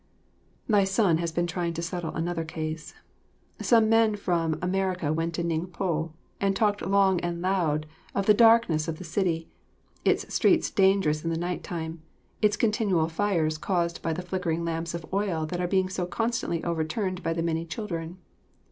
Thy son has been trying to settle another case. Some men from America went to Ningpo, and talked long and loud of the darkness of the city, its streets dangerous in the night time, its continual fires caused by the flickering lamps of oil that are being so constantly overturned by the many children.